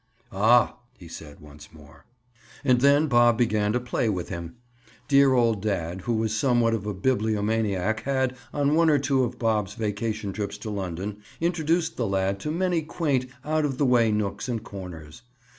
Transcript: "Aw!" he said once more. And then Bob began to play with him. Dear old dad who was somewhat of a bibliomaniac had, on one or two of Bob's vacation trips to London, introduced the lad to many quaint, out of the way nooks and corners.